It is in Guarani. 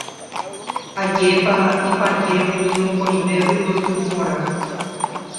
Ajépa ipaje umi mokõive yvoty porã